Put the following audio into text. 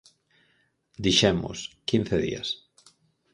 Dixemos: quince días.